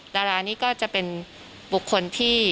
ดารานี้ก็จะเป็นบุคคลที่